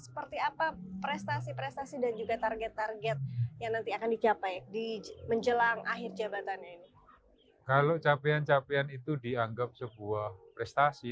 di menjelang akhir jabatan ini kalau capaian capaian itu dianggap sebuah prestasi